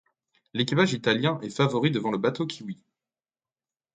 L'équipage italien est favori devant le bateau kiwi.